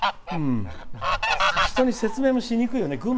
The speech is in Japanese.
人に説明もしにくいよね。